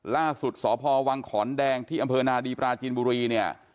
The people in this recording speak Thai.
ล่าสุดสพวังขอนแดงที่อำเภอนาดีปราจีนบุรีเนี่ย